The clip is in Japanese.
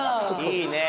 いいね。